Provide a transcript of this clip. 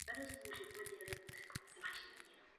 K areálu hřbitova přiléhá parkoviště.